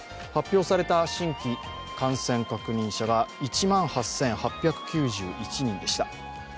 発表された新規感染確認者が１万８８９１人でした。